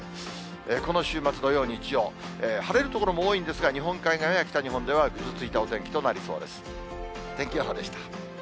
この週末、土曜、日曜、晴れる所も多いんですが、日本海側や北日本ではぐずついたお天気となりそうです。